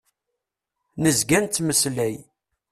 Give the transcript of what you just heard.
Nezga nettmeslay.